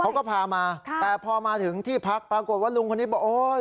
เขาก็พามาค่ะแต่พอมาถึงที่พักปรากฏว่าลุงคนนี้บอกโอ๊ย